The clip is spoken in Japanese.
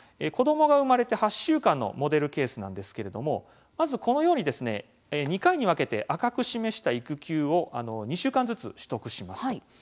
子どもが生まれて８週間のモデルケースなんですけれどもまず、このように２回に分けて赤く示した育休を２週間ずつ取得します。